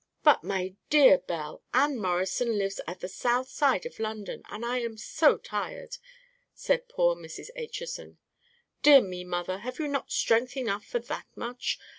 "But, my dear Belle, Anne Morrison lives at the south side of London, and I am so tired," said poor Mrs. Acheson. "Dear me, mother; have not you strength enough for that much!